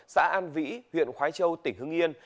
xã an vĩ huyện khoái châu tỉnh hưng yên